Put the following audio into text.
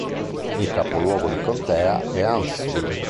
Il capoluogo di contea è Huntsville